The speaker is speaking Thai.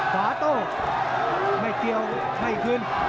ขวาโต้ไม่เกี่ยวไม่ขึ้น